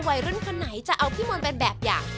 วัยรุ่นคนไหนจะเอาพี่มนต์เป็นแบบอย่าง